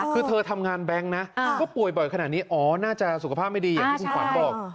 คือเธอทำงานแบงค์นะก็ป่วยบ่อยขนาดนี้อ๋อน่าจะสุขภาพไม่ดีอย่างที่คุณขวัญบอก